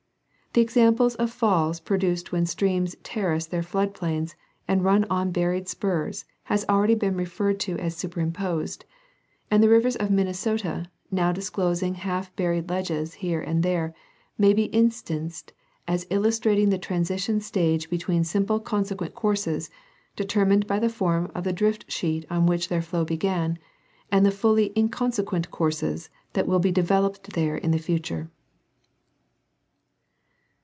The examples of falls produced when streams terrace their flood plains and run on buried spurs has already been referred to as superimposed ; and the rivers of Minnesota now disclosing half buried ledges here and there may be instanced as illustrating the transition stage between simple consequent courses, determined by the form of the drift sheet on which their flow began, and the fully inconse quent courses that will be developed there in the future.